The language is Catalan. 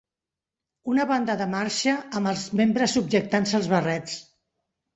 Una banda de marxa amb els membres subjectant-se els barrets.